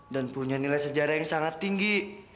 dan punya nilai sejarah yang sangat tinggi